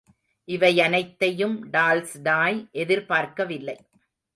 இவையனைத்தையும் Tolstoy எதிர்பார்க்கவில்லை.